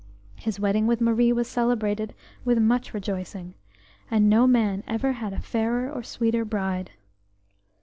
His wedding with Marie was celebrated with much rejoicing, and no man ever had a fairer or sweeter bride.